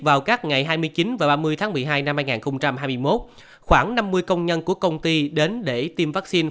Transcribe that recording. vào các ngày hai mươi chín và ba mươi tháng một mươi hai năm hai nghìn hai mươi một khoảng năm mươi công nhân của công ty đến để tiêm vaccine